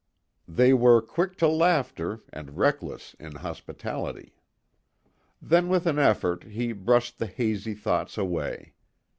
They were quick to laughter and reckless in hospitality. Then with an effort he brushed the hazy thoughts away.